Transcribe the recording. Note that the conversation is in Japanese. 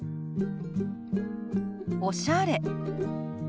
「おしゃれ」。